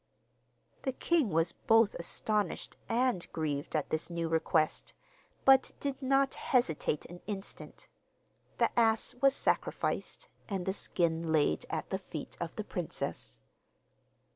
The king was both astonished and grieved at this new request, but did not hesitate an instant. The ass was sacrificed, and the skin laid at the feet of the princess.